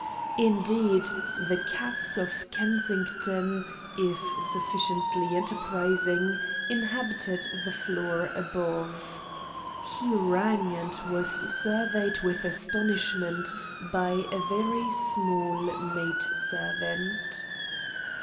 Indeed, the cats of Kensington, if sufficiently enterprising, inhabitated the floor above. He rang, and was surveyed with astonishment by a very small maid servant.